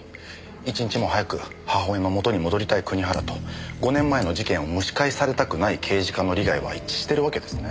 一日も早く母親の元に戻りたい国原と５年前の事件を蒸し返されたくない刑事課の利害は一致してるわけですね。